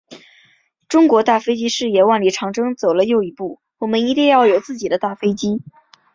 中国大飞机事业万里长征走了又一步，我们一定要有自己的大飞机。